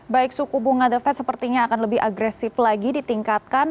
baik suku bunga the fed sepertinya akan lebih agresif lagi ditingkatkan